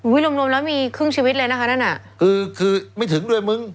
รวมรวมแล้วมีครึ่งชีวิตเลยนะคะนั่นอ่ะคือคือไม่ถึงด้วยมึง